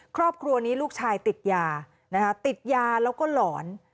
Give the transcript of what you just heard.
ครอบครัวนี้ลูกชายติดยานะคะติดยาแล้วก็หลอน